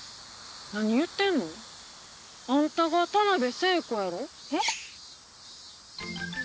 何言うてんの？あんたが田辺聖子やろ？え？